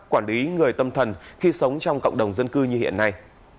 quản lý người tâm thần khi sống trong cộng đồng dân cư như hiện nay